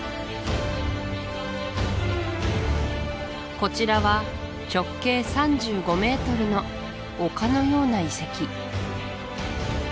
こちらは直径３５ｍの丘のような遺跡